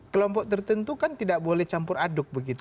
kelompok tertentu kan tidak boleh campur aduk begitu